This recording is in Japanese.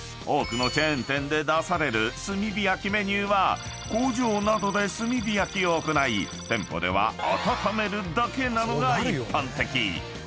［多くのチェーン店で出される炭火焼きメニューは工場などで炭火焼きを行い店舗では温めるだけなのが一般的］